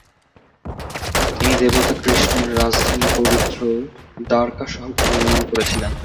তিনি দেবতা কৃষ্ণের রাজধানী পবিত্র দ্বারকা শহরটি নির্মাণ করেছিলেন।